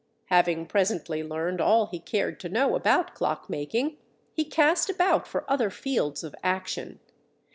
Having presently learned all he cared to know about clock making, he cast about for other fields of action.